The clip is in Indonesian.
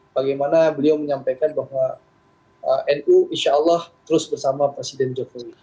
bagaimana beliau menyampaikan bahwa nu insya allah terus bersama presiden jokowi